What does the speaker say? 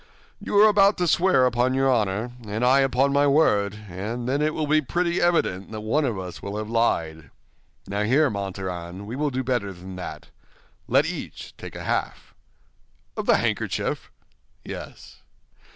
"You are about to swear upon your honor and I upon my word, and then it will be pretty evident that one of us will have lied. Now, here, Montaran, we will do better than that—let each take a half." "Of the handkerchief?" "Yes."